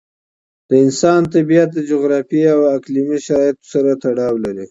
د انسان طبیعت د جغرافیایي او اقليمي شرایطو سره تړاو لري.